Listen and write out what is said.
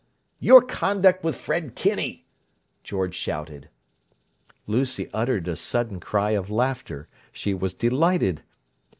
"Your conduct with Fred Kinney!" George shouted. Lucy uttered a sudden cry of laughter; she was delighted.